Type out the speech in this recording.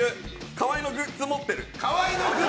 河合のグッズ持ってる！